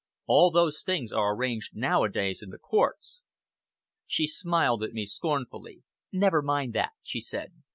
All those things are arranged nowadays in the courts." She smiled at me scornfully. "Never mind that," she said.